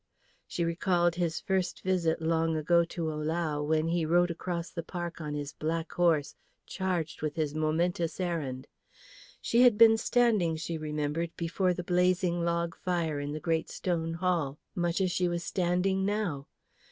She recalled his first visit long ago to Ohlau, when he rode across the park on his black horse charged with his momentous errand. She had been standing, she remembered, before the blazing log fire in the great stone hall, much as she was standing now.